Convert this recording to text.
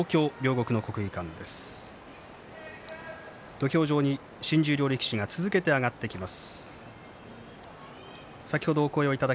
土俵上に新十両力士が続けて上がっていきます。